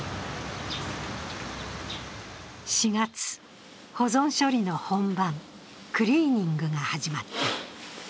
４月、保存処理の本番、クリーニングが始まった。